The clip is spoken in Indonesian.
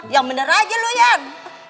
yang bener aja lu ian